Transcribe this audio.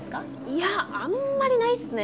いやあんまりないっすね。